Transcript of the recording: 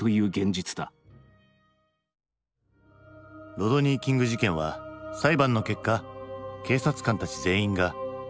ロドニー・キング事件は裁判の結果警察官たち全員が無罪となっていた。